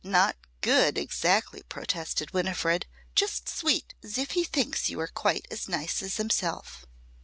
not good exactly!" protested Winifred. "Just sweet as if he thinks you are quite as nice as himself."